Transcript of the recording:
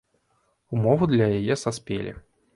Умовы для яе саспелі.